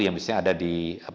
yang biasanya ada di